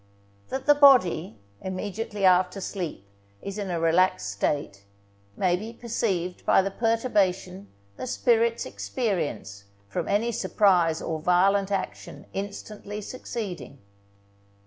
That the body, immediately after sleep, is in a relaxed state, may be perceived by the perturbation the spirits experience from any surprise or violent action instantly succeeding.